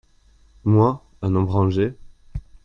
Moi ; un homme rangé !…